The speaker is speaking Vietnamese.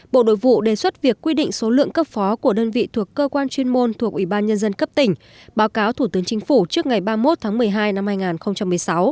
bộ nội vụ đề xuất việc quy định số lượng cấp phó của đơn vị thuộc cơ quan chuyên môn thuộc ủy ban nhân dân cấp tỉnh báo cáo thủ tướng chính phủ trước ngày ba mươi một tháng một mươi hai năm hai nghìn một mươi sáu